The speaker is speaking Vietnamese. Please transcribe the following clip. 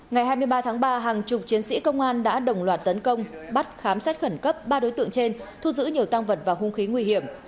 ngày hai mươi ba tháng ba hàng chục chiến sĩ công an đã đồng loạt tấn công bắt khám xét khẩn cấp ba đối tượng trên thu giữ nhiều tăng vật và hung khí nguy hiểm